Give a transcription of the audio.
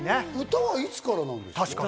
歌はいつからなんですか？